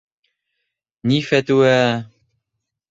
Ни фәтүә!